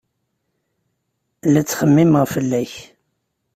La ttxemmimeɣ fell-ak.